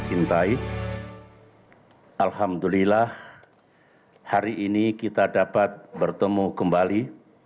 intai alhamdulillah hari ini kita dapat bertemu kembali